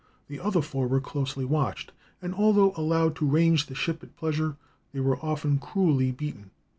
The other four were closely watched, and although allowed to range the ship at pleasure, were often cruelly beaten.